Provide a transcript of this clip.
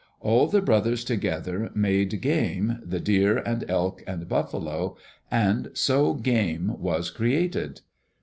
All the brothers together made game, the deer and elk and buffalo, and so game was created.